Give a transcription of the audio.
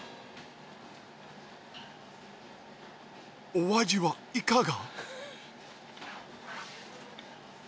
お味はいかが？